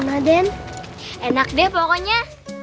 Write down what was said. nanti pesen aja apa yang kalian suka